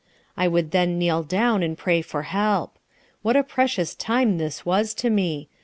I would then kneel down and pray for help. What a precious time this was to me!